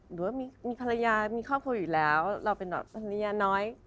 หรือว่ามีภรรยามีครอบครัวอยู่แล้วเราเป็นภรรยาน้อย